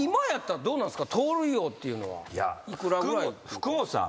福本さん